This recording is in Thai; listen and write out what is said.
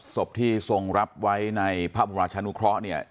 ศพที่ทรงรับไว้ในพระบรมราชานุเคราะห์เนี่ย